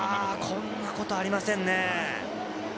ＸＧａこんなことありませんね。